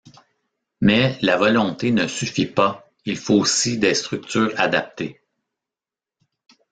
Mais, la volonté ne suffit pas, il faut aussi des structures adaptées.